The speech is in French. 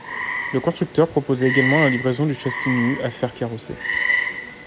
Le constructeur proposait également la livraison du châssis nu à fairre carrosser.